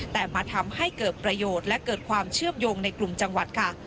แต่มาทำให้เกิดประโยชน์และเกิดความเชื่อมโยงในกลุ่มจังหวัดค่ะ